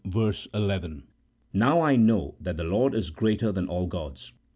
11), " Now I know that the Lord is greater than all gods."